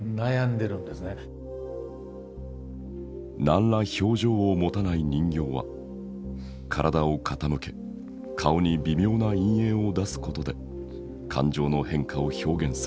何ら表情を持たない人形は体を傾け顔に微妙な陰影を出すことで感情の変化を表現する。